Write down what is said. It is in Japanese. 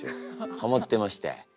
ハマってまして。